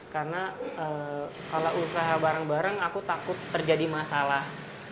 karena kalau usaha bareng bareng aku takut terjadi masalah